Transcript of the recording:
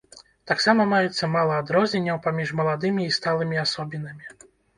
Таксама маецца мала адрозненняў паміж маладымі і сталымі асобінамі.